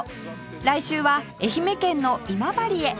来週は愛媛県の今治へ